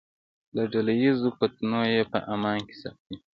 له ډله ییزو فتنو یې په امان کې ساتي.